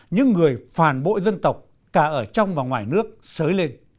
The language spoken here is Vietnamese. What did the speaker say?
những người phản bội dân tộc cả ở trong và ngoài nước sới lên